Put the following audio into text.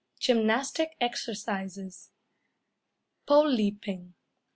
GYMNASTIC EXERCISES. _Pole Leaping.